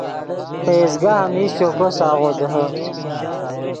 پئیز گاہ میش چوکو ساغو دیہے